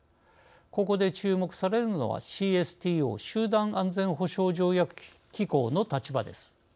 ここで注目されるのはＣＳＴＯ＝集団安全保障条約機構の立場です。